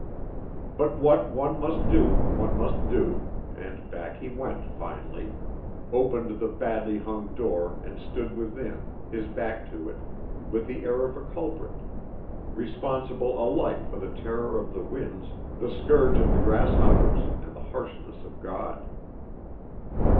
But what one must do one must do, and back he went finally, opened the badly hung door and stood within, his back to it, with the air of a culprit, responsible alike for the terror of the winds, the scourge of the grasshoppers and the harshness of God.